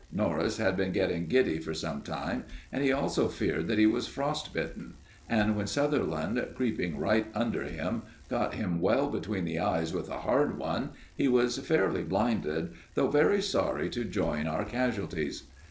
Norris had been getting giddy for some time, and he also feared that he was frost bitten, and when Sutherland, creeping right under him, got him well between the eyes with a hard one, he was fairly blinded, though very sorry to join our casualties.